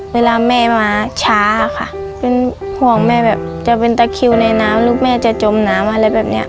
เวลาแม่มาช้าค่ะเป็นห่วงแม่แบบจะเป็นตะคิวในน้ำลูกแม่จะจมน้ำอะไรแบบเนี้ย